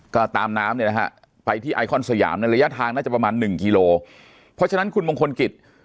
ก็ตามน้ำเนี่ยนะฮะไปที่ไอคอนสยามในระยะทางน่าจะประมาณหนึ่งกิโลเพราะฉะนั้นคุณมงคลกิจ